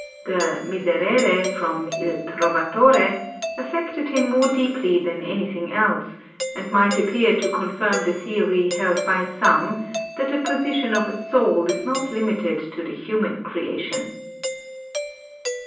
The "Miserere" from "Il Trovatore" affected him more deeply than anything else, and might appear to confirm the theory held by some that the possession of a soul is not limited to the human creation.